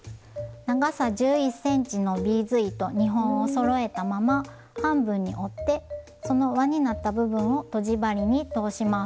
長さ１１ｃｍのビーズ糸２本をそろえたまま半分に折ってその輪になった部分をとじ針に通します。